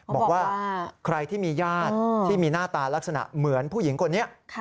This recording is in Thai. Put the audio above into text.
บอกว่าใครที่มีญาติที่มีหน้าตาลักษณะเหมือนผู้หญิงคนนี้